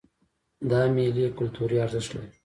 دا میلې کلتوري ارزښت لري.